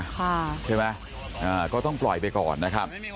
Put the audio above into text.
ใช่ไหมอ่าก็ต้องปล่อยไปก่อนนะครับ